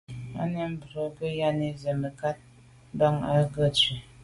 À’ nâ’ bə́ mbrə̀ bú gə ́yɑ́nə́ zə̀ mə̀kát mbâ ngɑ̀ zwí.